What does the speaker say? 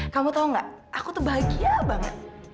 kamu tau gak aku tuh bahagia banget